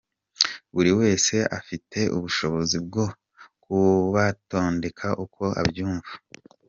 Buri wese afite ubushobozi bwo kubatondeka uko abyumva.